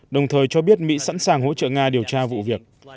đồng thời cho biết mỹ sẵn sàng hỗ trợ nga điều tra vụ việc